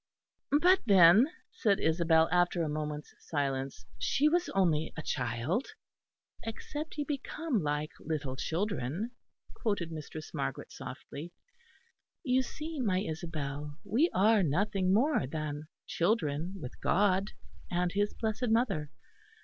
'" "But then," said Isabel, after a moment's silence, "she was only a child." "'Except ye become like little children '" quoted Mistress Margaret softly "you see, my Isabel, we are nothing more than children with God and His Blessed Mother.